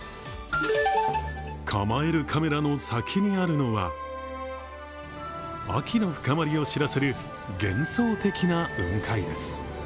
構えるカメラの先にあるのは、秋の深まりを知らせる幻想的な雲海です。